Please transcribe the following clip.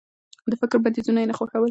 د فکر بنديزونه يې نه خوښول.